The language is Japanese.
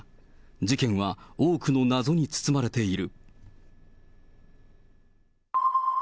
事件は多くの謎に包まれている。